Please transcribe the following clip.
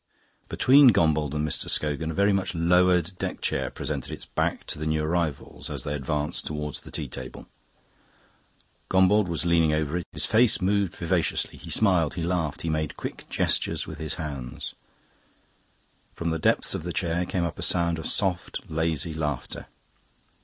Between Gombauld and Mr. Scogan a very much lowered deck chair presented its back to the new arrivals as they advanced towards the tea table. Gombauld was leaning over it; his face moved vivaciously; he smiled, he laughed, he made quick gestures with his hands. From the depths of the chair came up a sound of soft, lazy laughter.